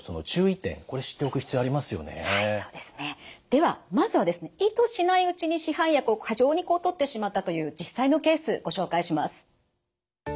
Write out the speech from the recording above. ではまずはですね意図しないうちに市販薬を過剰にとってしまったという実際のケースご紹介します。